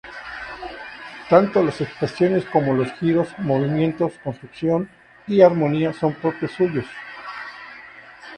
Tanto las expresiones como los giros, movimientos, construcción y armonía, son propios suyos.